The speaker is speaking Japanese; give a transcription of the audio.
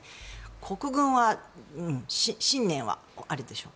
国軍は信念はあるんでしょうか。